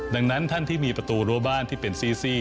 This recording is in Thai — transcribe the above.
ดังนั้นท่านที่มีประตูรั้วบ้านที่เป็นซี่